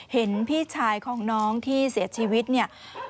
เห็นพี่ชายของน้องที่เสียชีวิตเนี่ย